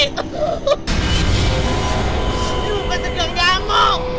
ini bukan segang gamung